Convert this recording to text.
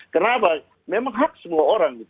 kenapa memang hak semua orang